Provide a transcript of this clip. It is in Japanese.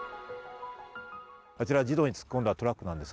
児童に突っ込んだトラックです。